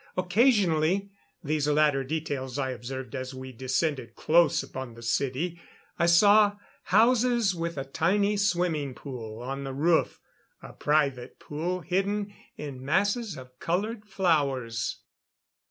Occasionally these latter details I observed as we descended close upon the city I saw houses with a tiny swimming pool on the roof a private pool hidden in masses of colored flowers.